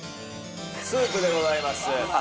スープでございます